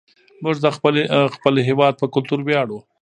موږ د خپل هېواد په کلتور ویاړو.